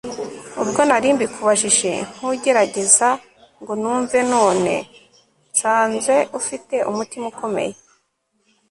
ubwo narimbikubajije nkugeregeza ngo numve none nsanze ufite umutima ukomeye